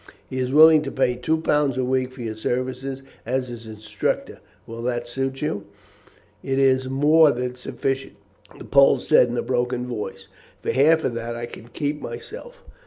He is willing to pay two pounds a week for your services as his instructor. Will that suit you?" "It is more than sufficient," the Pole said in a broken voice. "For half of that I could keep myself."